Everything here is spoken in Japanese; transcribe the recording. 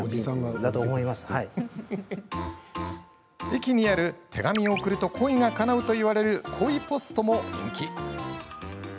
駅にある、手紙を送ると恋がかなうといわれる恋ポストも人気。